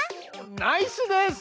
ナイスです！